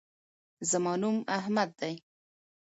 زما نوم احمد دی